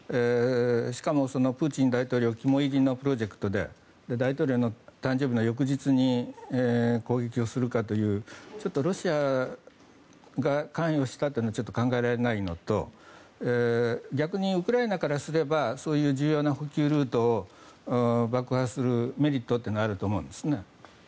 しかもプーチン大統領肝煎りのプロジェクトで大統領の誕生日の翌日に攻撃をするかというちょっとロシアが関与したというのは考えられないのと逆にウクライナからすればそういう重要な補給ルートを爆破するメリットはあると思うんですね。